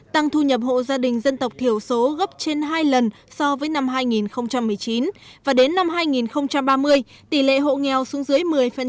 tăng thu nhập hộ gia đình dân tộc thiểu số gấp trên hai lần so với năm hai nghìn một mươi chín và đến năm hai nghìn ba mươi tỷ lệ hộ nghèo xuống dưới một mươi